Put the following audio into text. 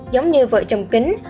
giống như vợ chồng kính